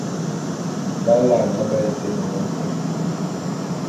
B’alaene aba été mamə ngôé.